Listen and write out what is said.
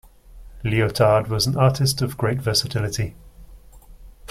Liotard was an artist of great versatility.